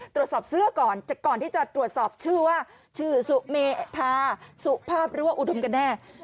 ตรวจสอบเสื้อก่อนก่อนที่จะตรวจสอบชื่อว่าชื่อสุเมธาสุภาพหรือว่าอุดมกันแน่